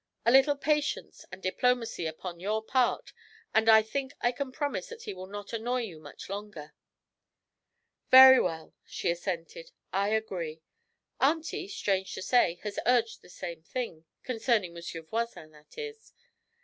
'A little patience and diplomacy upon your part, and I think I can promise that he will not annoy you much longer.' 'Very well,' she assented, 'I agree. Auntie, strange to say, has urged the same thing concerning Monsieur Voisin, that is.